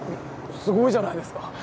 すごいじゃないですか！